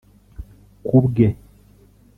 Kubwe